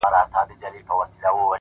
د کاغذ پرې کېدل تل یو ناڅاپي غږ لري!